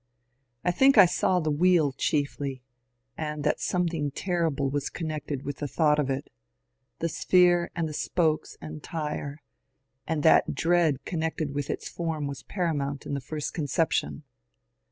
I think I saw the wheel chiefly, and that something terrible was con nected with the thought of it — the sphere and the spokes and tire, and that dread connected with its form was paramount in the first conception.